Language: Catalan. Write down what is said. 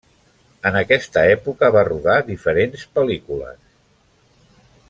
En aquesta època va rodar diferents pel·lícules.